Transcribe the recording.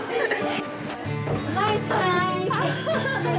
バイバーイ。